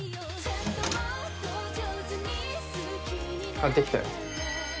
買ってきたよ